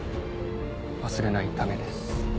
忘れないためです。